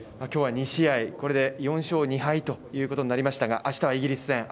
今日は２試合これで４勝２敗ということになりましたがあしたはイギリス戦。